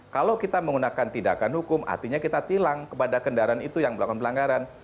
kalau kita menggunakan tindakan hukum artinya kita tilang kepada kendaraan itu yang melakukan pelanggaran